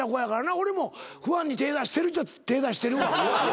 俺もファンに手出してるっちゃ手出してるわ。